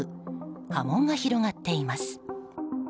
波紋が広がっています。